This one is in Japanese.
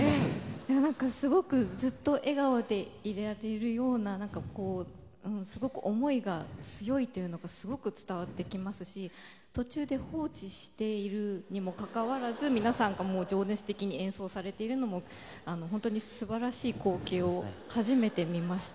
ずっと笑顔でいられるようなすごく思いが強いというのがすごく伝わってきますし途中で放置しているにもかかわらず皆さんが情熱的に演奏されているのも素晴らしい光景を初めて見ました。